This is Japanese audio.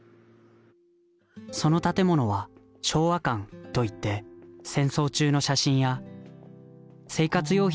その建物は「昭和館」といって戦争中の写真や生活用品などが展示してあり